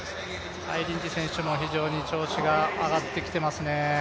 リンジー選手も非常に調子が上がってきていますね。